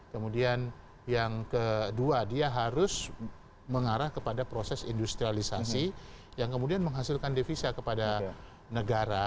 kemudian yang kedua dia harus mengarah kepada proses industrialisasi yang kemudian menghasilkan devisa kepada negara